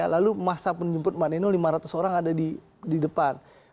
lalu masa penjemput mbak neno lima ratus orang ada di depan